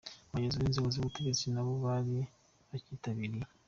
Abayobozi b’inzego z’ubutegetsi na bo bari bacyitabiriye.